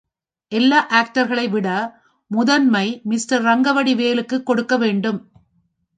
எல்லா ஆக்டர்களைவிட முதன்மை மிஸ்டர் ரங்கவடி வேலுக்குக் கொடுக்க வேண்டும்.